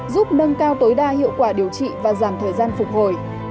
giúp nâng cao tối đa hiệu quả điều trị và giảm thời gian phục hồi